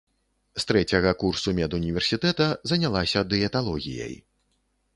З трэцяга курсу медуніверсітэта занялася дыеталогіяй.